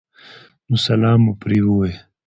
نو سلام مو پرې ووې